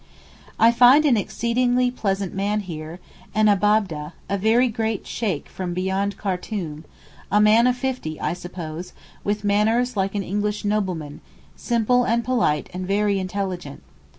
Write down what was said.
I find an exceedingly pleasant man here, an Abab'deh, a very great Sheykh from beyond Khartoum, a man of fifty I suppose, with manners like an English nobleman, simple and polite and very intelligent.